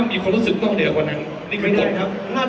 เมื่อเวลาอันดับสุดท้ายมันกลายเป้าหมายเป้าหมาย